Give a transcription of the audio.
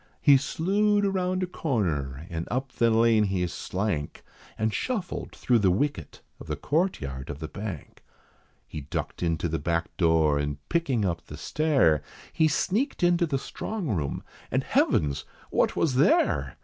He slewed around a corner, and up the lane he slank, And shuffled thro' the wicket of the courtyard of the Bank. He ducked into the back door, and picking up the stair, He sneaked into the strong room, and, heavens! what was there?